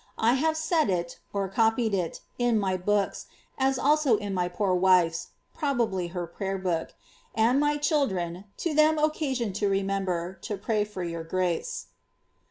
I have set it (copied it; in dt books, as also in my poor wife's (probably her prayer book) and my children, to give tliem occasion to remember to pray for your gnce.